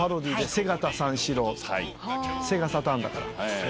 セガサターンだから。